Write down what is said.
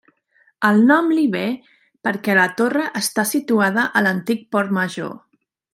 El nom li ve per què la torre està situada a l'antic Port Major.